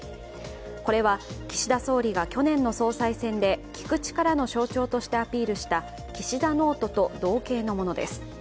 これは岸田総理が去年の総裁選で聞く力の象徴としてアピールした岸田ノートと同型のものです。